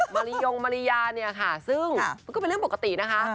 มารีโยงมารียาซึ่งเป็นเรื่องปกตินะฮะ